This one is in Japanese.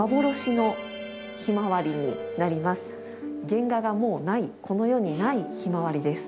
原画がもうないこの世にない「ヒマワリ」です。